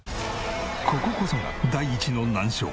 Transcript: こここそが第一の難所。